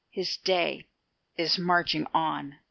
His day is marching on.